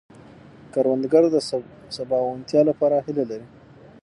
کروندګر د سباوونتیا لپاره هيله لري